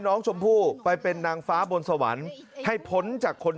น้องชมพู่ไปเป็นนางฟ้าบนสวรรค์ให้พ้นจากคน